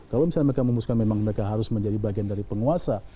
kalau misalnya mereka memutuskan memang mereka harus menjadi bagian dari penguasa